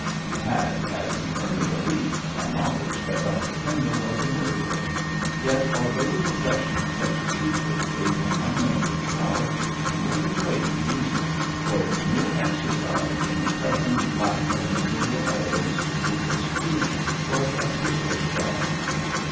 He had, as he firmly believed, a knowledge that Dr Pendle was a murderer; yet although the possession of such a secret gave him unlimited power, he was afraid to use it, for its mere exercise in the present lack of material evidence to prove its truth was a ticklish job.